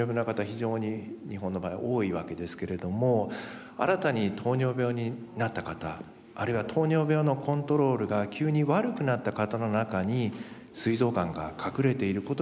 非常に日本の場合多いわけですけれども新たに糖尿病になった方あるいは糖尿病のコントロールが急に悪くなった方の中にすい臓がんが隠れていることがあります。